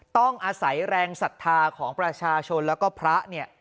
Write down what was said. ต้องอาศัยแรงศรัทธาของประชาชนแล้วก็พระเนี่ย